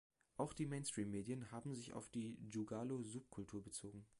Auch die Mainstream-Medien haben sich auf die Juggalo-Subkultur bezogen.